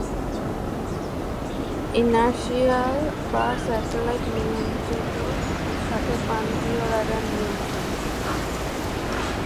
Inertial satellite নিয়ন্ত্রিত, সাথে প্রান্তীয় radar নিয়ন্ত্রণ।